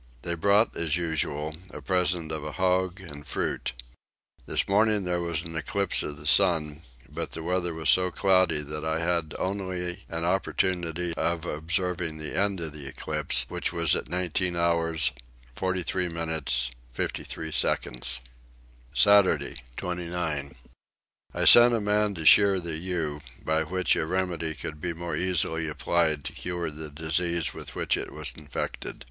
They brought as usual a present of a hog and fruit. This morning there was an eclipse of the sun, but the weather was so cloudy that I had only an opportunity of observing the end of the eclipse, which was at 19 hours 43 minutes 53 seconds. Saturday 29. I sent a man to shear the ewe, by which a remedy could more easily be applied to cure the disease with which it was infected.